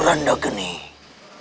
dan aku yakin